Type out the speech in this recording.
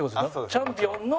チャンピオンの。